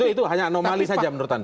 itu hanya anomali saja menurut anda